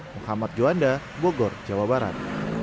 muhammad juanda bogor jawa barat